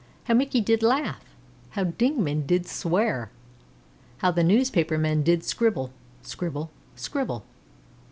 How Mickey did laugh! How Dignam did swear! How the newspaper men did scribble scribble scribble!